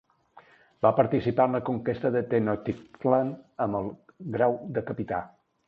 Va participar en la conquesta de Tenochtitlán amb el grau de capità.